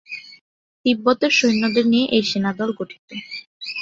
তিব্বতের সৈন্যদের নিয়ে এই সেনাদল গঠিত।